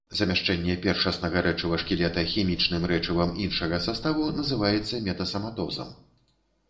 Замяшчэнне першаснага рэчыва шкілета хімічным рэчывам іншага саставу называецца метасаматозам.